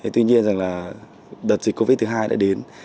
tuy nhiên rằng là đợt dịch covid thứ hai đã đến